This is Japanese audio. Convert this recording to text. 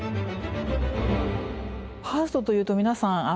ハーストというと皆さん